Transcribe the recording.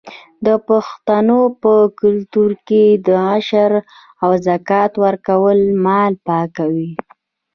د پښتنو په کلتور کې د عشر او زکات ورکول مال پاکوي.